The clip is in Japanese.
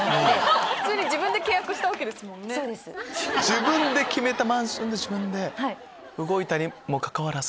自分で決めたマンションで自分で動いたにもかかわらず。